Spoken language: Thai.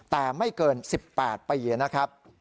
แต่ไม่เกิน๑๘ปีนะครับ